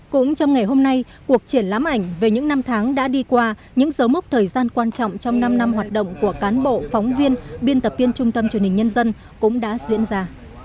cũng trong ngày hôm nay cuộc triển lãm ảnh về những năm tháng đã đi qua những dấu mốc thời gian quan trọng trong năm năm hoạt động của cán bộ phóng viên biên tập viên trung tâm truyền hình nhân dân cũng đã diễn ra